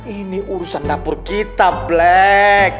ini urusan dapur kita black